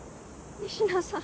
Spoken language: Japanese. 仁科さん‼